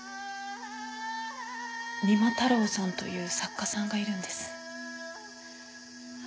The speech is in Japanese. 三馬太郎さんという作家さんがいるんです。